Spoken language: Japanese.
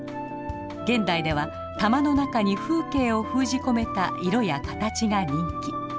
現代では玉の中に風景を封じ込めた色や形が人気。